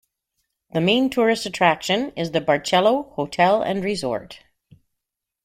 The main tourist attraction is the Barcelo Hotel and Resort.